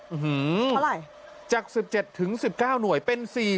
อื้อหือจาก๑๗ถึง๑๙หน่วยเป็น๔๘